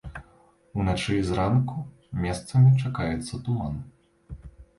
Уначы і зранку месцамі чакаецца туман.